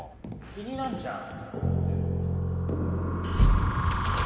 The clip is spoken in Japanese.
気になんじゃん。